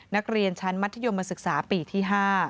นักเรียนชั้นมัธยมศึกษาปีที่๕